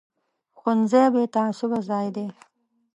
ښوونځی بې تعصبه ځای دی